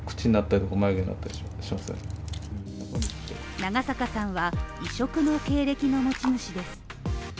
長坂さんは異色の経歴の持ち主です。